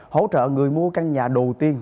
hỗ trợ người mua căn nhà đầu tiên